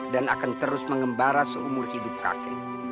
dan akan terus mengembara seumur hidup kakek